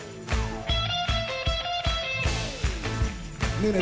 ねえねえ。